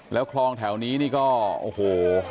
แล้วคลองแถวนี้นี่ก็โอ้โห